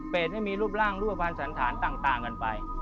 เป็นให้มีรูปร่างรูปภัณฑ์สันธารต่างกันไป